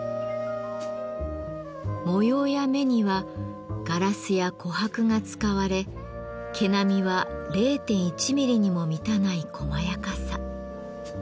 模様や目にはガラスや琥珀が使われ毛並みは０．１ミリにも満たないこまやかさ。